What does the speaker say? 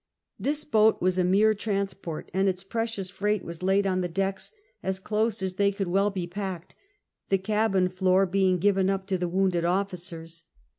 This boat was a mere transport, and its precious freight was laid on the decks as close as they could well be packed, the cabin floor being given uj) to the wounded officers.